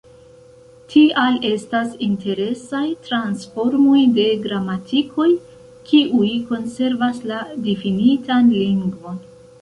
Tial estas interesaj transformoj de gramatikoj, kiuj konservas la difinitan lingvon.